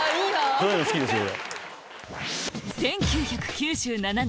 そういうの好きですよ俺。